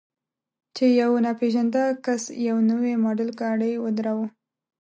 چې یو ناپېژانده کس یو نوی ماډل ګاډی ودراوه.